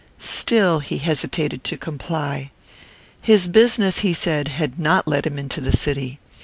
Still he hesitated to comply. His business, he said, had not led him into the city.